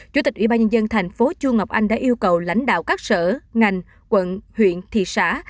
chủ tịch ủy ban nhân dân thành phố chu ngọc anh đã yêu cầu lãnh đạo các sở ngành quận huyện thị xã